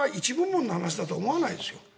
僕は一部門の話だとは思わないです。